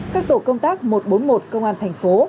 các tổ công tác một trăm bốn mươi một công an thành phố